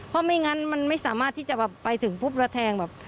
เพราะไม่งั้นมันไม่สามารถที่จะแบบไปถึงปุ๊บแล้วแทงแบบ